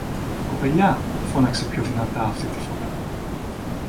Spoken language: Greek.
Κοπελιά, φώναξε πιο δυνατά αυτή τη φορά